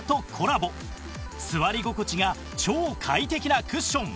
座り心地が超快適なクッション